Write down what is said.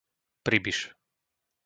Pribiš